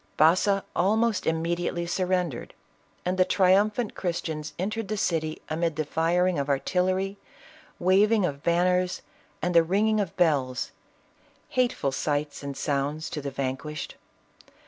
Baza almost immediately surrendered, and the triumphant Christians entered the city amid the firing of artillery, waving of banners and the ringing of bells — hateful sights and sounds to the vanquished.